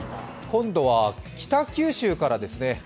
今度は北九州からです。